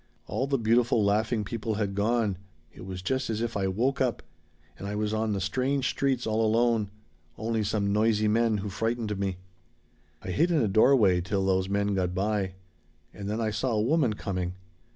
All the beautiful laughing people had gone. It was just as if I woke up. And I was on the strange streets all alone. Only some noisy men who frightened me. "I hid in a doorway till those men got by. And then I saw a woman coming.